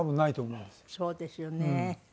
そうですよね。